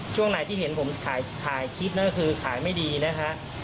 ช่วงไหนที่เห็นผมขายคลิปคือขายไม่ดีนะคะ